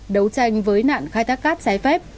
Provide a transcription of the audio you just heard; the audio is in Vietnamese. đấu tranh với nạn khai thác cát trái phép